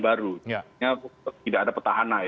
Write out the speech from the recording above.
baru tidak ada petahana